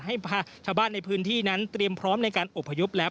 ให้ชาวบ้านในพื้นที่นั้นเตรียมพร้อมในการอบพยพแล้ว